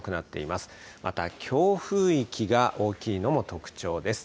また強風域が大きいのも特徴です。